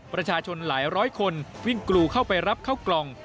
ประชาชนหลายร้อยคนวิ่งกรูเข้าไปรับเข้ากล่อง